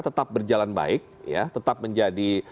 tetap berjalan baik tetap menjadi